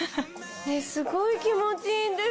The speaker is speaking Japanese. すごい気持ちいいんですけど。